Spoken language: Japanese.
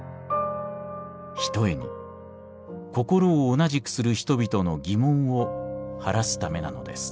ひとえに心を同じくする人々の疑問を晴らすためなのです」。